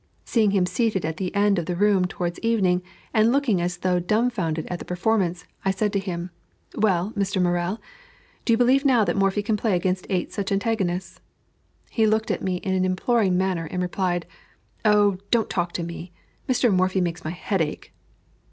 Seeing him seated at the end of the room towards evening, and looking as though dumbfoundered at the performance, I said to him, "Well, Mr. Morel, do you believe now that Morphy can play against eight such antagonists?" He looked at me in an imploring manner and replied, "Oh, don't talk to me; Mr. Morphy makes my head ache."